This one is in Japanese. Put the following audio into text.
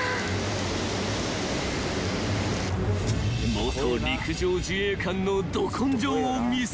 ［元陸上自衛官のど根性を見せられるか］